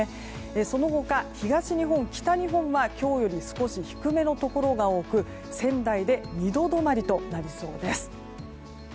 その他、東日本、北日本は今日より低めのところが多く仙台で２度止まりとなりそうです。